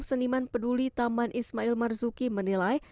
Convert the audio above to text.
seniman peduli taman ismail marzuki menilai